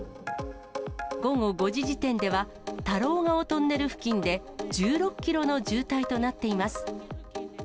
午後５時時点では、太郎ケ尾トンネル付近で１６キロの渋滞となっています。